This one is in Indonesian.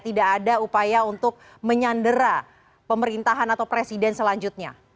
tidak ada upaya untuk menyandera pemerintahan atau presiden selanjutnya